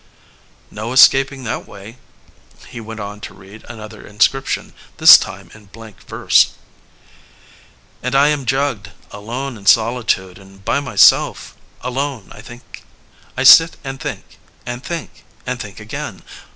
"No escaping that way," he went on to read another inscription, this time in blank verse: "And I am jugged, Alone in solitude, and by myself Alone. I sit and think, and think, And think again.